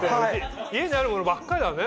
家にあるものばっかりだね。